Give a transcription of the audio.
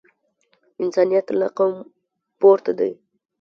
انسانیت له قوم پورته دی.